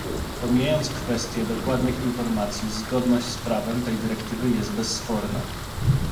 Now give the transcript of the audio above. pomijając kwestię dokładnych informacji, zgodność z prawem tej dyrektywy jest bezsporna